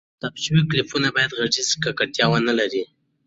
ثبت شوی کلیپ باید ږغیزه ککړتیا ونه لري.